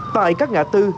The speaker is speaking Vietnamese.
tại các ngã tư